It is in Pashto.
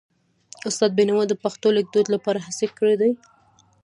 استاد بینوا د پښتو لیکدود لپاره هڅې کړې دي.